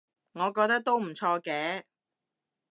我覺得都唔錯嘅